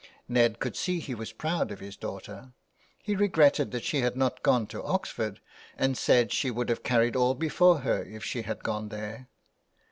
Ned could see he was proud of his daughter ; he regretted that she had not gone to Oxford, and said she would have carried all before her if she had gone there.